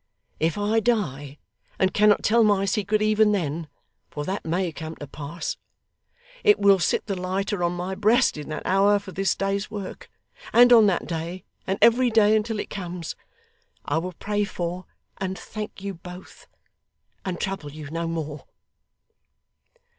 If I die and cannot tell my secret even then (for that may come to pass), it will sit the lighter on my breast in that hour for this day's work; and on that day, and every day until it comes, I will pray for and thank you both, and trouble you no more.